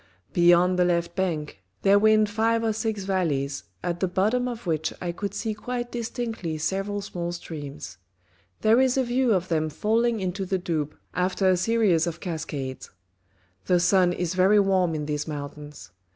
Beyond the left bank, there wind five or six valleys, at the bottom of which I could see quite distinctly several small streams. There is a view of them falling into the 6 THE RED AND THE BLACK Doubs, after a series of cascades. The sun is very warm in these mountains.